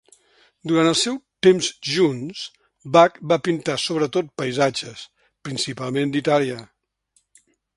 Durant el seu temps junts, Bach va pintar sobretot paisatges, principalment d'Itàlia.